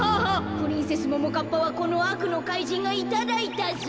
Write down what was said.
プリンセスももかっぱはこのあくのかいじんがいただいたぞ。